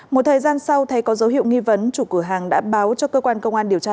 một thời gian sau thấy có dấu hiệu nghi vấn chủ cửa hàng đã báo cho cơ quan công an điều tra